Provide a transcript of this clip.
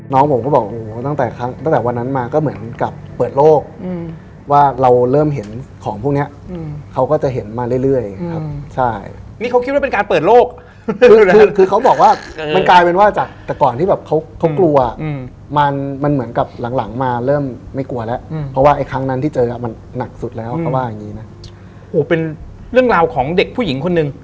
น้องผมก็บอกโอ้โหตั้งแต่ครั้งตั้งแต่วันนั้นมาก็เหมือนกับเปิดโลกอืมว่าเราเริ่มเห็นของพวกเนี้ยอืมเขาก็จะเห็นมาเรื่อยเรื่อยอืมใช่นี่เขาคิดว่าเป็นการเปิดโลกคือเขาบอกว่ามันกลายเป็นว่าจากแต่ก่อนที่แบบเขากลัวอืมมามันเหมือนกับหลังหลังมาเริ่มไม่กลัวแล้วอืมเพราะว่าไอ้ครั้งนั้